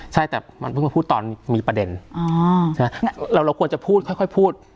ใช่แต่มันเพิ่งมาพูดตอนมีประเด็นเราควรจะพูดค่อยพูด